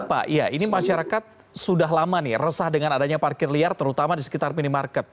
pak iya ini masyarakat sudah lama nih resah dengan adanya parkir liar terutama di sekitar minimarket